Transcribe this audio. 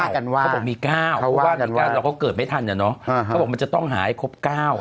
เขาบอกว่ากันว่ามี๙เขาเกิดไม่ทันเนอะมันจะต้องหายครบ๙อะไรอย่างนี้